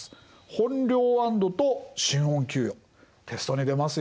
本領安堵と新恩給与テストに出ますよ。